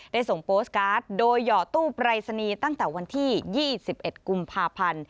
ได้ส่งโปสตการ์ดโดยหยอดตู้ปรายศนีย์ตั้งแต่วันที่๒๑กุมภาพันธ์